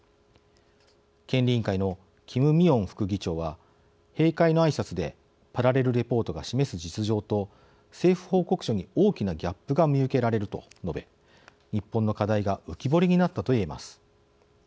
権利委員会のキム・ミヨン副議長は閉会のあいさつで「パラレルレポートが示す実情と政府報告書に大きなギャップが見受けられる」と述べ日本の課題が浮き彫りになったといえます。